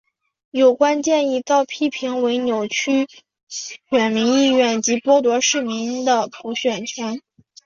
有关建议遭批评为严重扭曲选民意愿及剥夺市民的补选权。